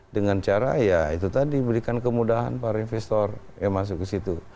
dengan cara ya itu tadi berikan kemudahan para investor yang masuk ke situ